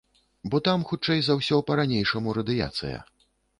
Бо там хутчэй за ўсё па-ранейшаму радыяцыя.